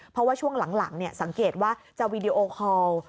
เพราะว่าช่วงหลังสังเกตว่าจะวีดีโอคอล